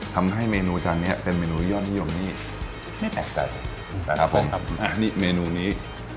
ทำให้เมนูจานนี้เป็นเมนูยอดนิยมนี้